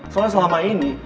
soalnya selama ini